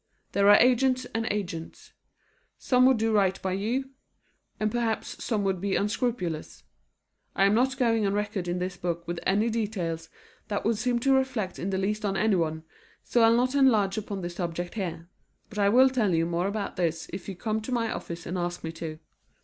There are agents and agents. Some would do right by you, and perhaps some would be unscrupulous. I am not going on record in this book with any details that would seem to reflect in the least on anyone, so I'll not enlarge upon this subject here. But I will tell you more about this if you come to my office and ask me to.